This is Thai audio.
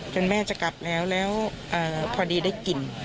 แม่จะกลับแล้วแล้วพอดีได้กลิ่น